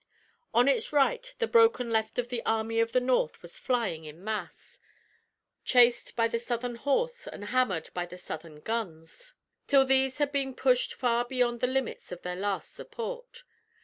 On its right the broken left of the Army of the North was flying in mass, chased by the Southern horse and hammered by the Southern guns, till these had been pushed far beyond the limits of their last support.